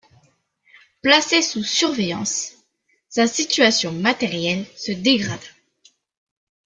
Placé sous surveillance, sa situation matérielle se dégrada.